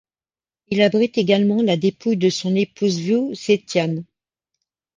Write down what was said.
Il abrite également la dépouille de son épouse Wu Zetian.